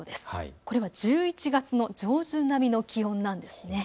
これは１１月上旬並みの気温です。